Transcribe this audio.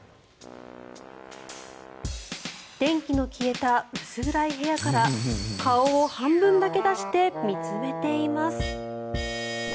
電気の消えた薄暗い部屋から顔を半分だけ出して見つめています。